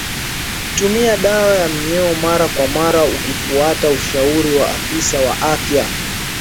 Tumia dawa ya minyoo mara kwa mara ukifuata ushauri wa afisa wa afya